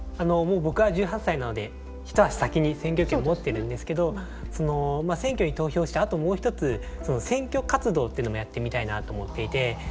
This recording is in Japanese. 僕は１８歳なので一足先に選挙権持ってるんですけど選挙に投票してあともう一つ選挙活動っていうのもやってみたいなと思っていて。